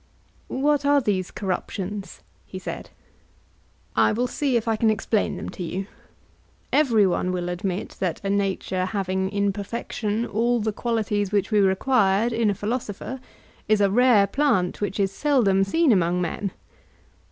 What are these corruptions? he said. I will see if I can explain them to you. Every one will admit that a nature having in perfection all the qualities which we required in a philosopher, is a rare plant which is seldom seen among men.